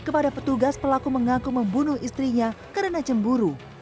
kepada petugas pelaku mengaku membunuh istrinya karena cemburu